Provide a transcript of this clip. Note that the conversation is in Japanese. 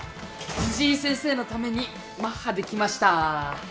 辻井先生のためにマッハで来ましたぁ。